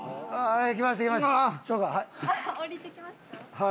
はい。